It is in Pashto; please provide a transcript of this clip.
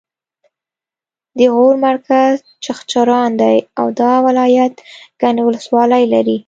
د غور مرکز چغچران دی او دا ولایت ګڼې ولسوالۍ لري